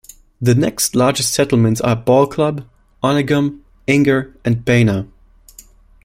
The next largest settlements are Ball Club, Onigum, Inger, and Bena.